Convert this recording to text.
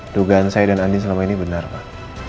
dugaan saya dan andi selama ini benar pak